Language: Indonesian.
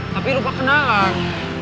tapi lupa kenalan